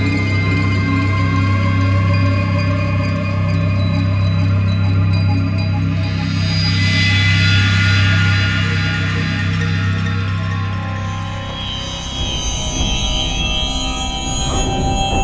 dimana tuan adolf peter ma